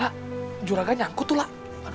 lah juragan nyangkut tuh lah